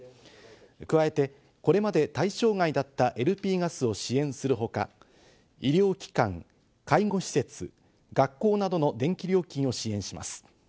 加えて、これまで対象外だったＬＰガスを支援するほか、医療機関、介護施設、学校などの電気料金を支援します。